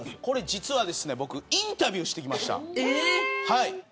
実はインタビューしてきました。